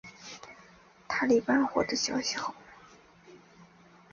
塔利班获得消息后立刻赶往他所在的村子里对其严刑拷打。